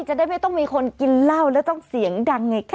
จะได้ไม่ต้องมีคนกินเหล้าแล้วต้องเสียงดังไงคะ